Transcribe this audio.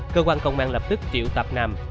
cơ quan công an lập tức triệu tạp nam